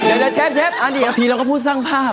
เดี๋ยวแชบอ่ะพี่เราก็พูดสร้างภาพ